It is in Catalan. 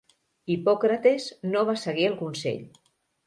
Hipòcrates no va seguir el consell.